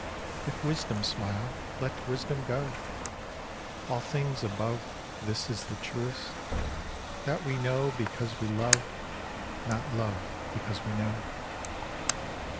If Wisdom smile, let Wisdom go! All things above This is the truest; that we know because we love, Not love because we know.